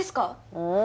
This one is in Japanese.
うん？